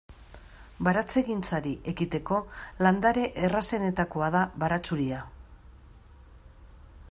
Baratzegintzari ekiteko landare errazenetakoa da baratxuria.